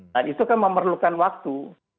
nah itu kan memerlukan waktu